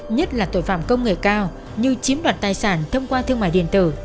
nhất là tội phạm công nghệ cao như chiếm đoạt tài sản thông qua thương mại điện tử